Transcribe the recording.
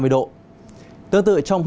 ba mươi độ tương tự trong